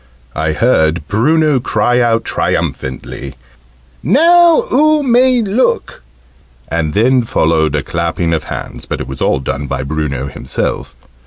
I heard Bruno cry out triumphantly "Now oo may look!" and then followed a clapping of hands, but it was all done by Bruno himself.